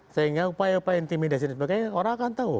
sehingga upaya upaya intimidasi dan sebagainya orang akan tahu